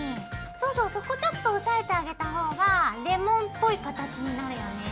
そうそうそこちょっと押さえてあげた方がレモンっぽい形になるよね。